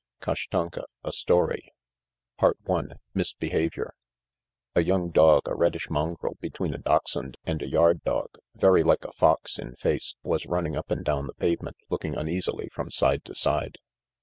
KASHTANKA (A Story) I Misbehaviour A YOUNG dog, a reddish mongrel, between a dachshund and a "yard dog," very like a fox in face, was running up and down the pavement looking uneasily from side to side.